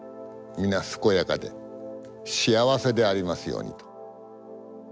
みな健やかで幸せでありますように」と。